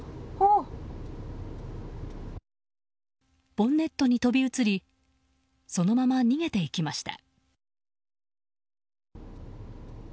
ボンネットに飛び移りそのまま逃げていきました。